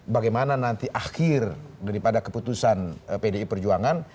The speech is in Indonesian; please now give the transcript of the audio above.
bagaimana nanti akhir daripada keputusan pdi perjuangan